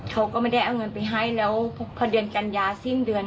เขาก็ไม่ได้เอาเงินไปให้แล้วพอเดือนกันยาสิ้นเดือน